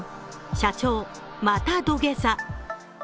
社長また土下座。